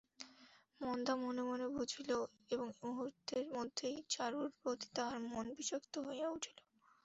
মন্দা মনে মনে বুঝিল এবং মুহূর্তের মধ্যেই চারুর প্রতি তাহার মন বিষাক্ত হইয়া উঠিল।